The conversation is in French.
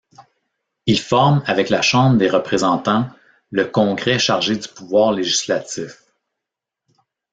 Il forme, avec la Chambre des représentants, le Congrès chargé du pouvoir législatif.